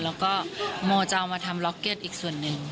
แล้วก็โมจะเอามาทำล็อกเก็ตอีกส่วนหนึ่ง